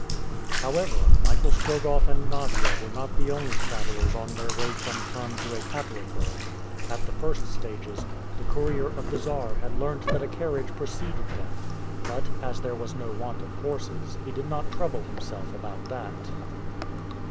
However, Michael Strogoff and Nadia were not the only travelers on their way from Perm to Ekaterenburg. At the first stages, the courier of the Czar had learnt that a carriage preceded them, but, as there was no want of horses, he did not trouble himself about that.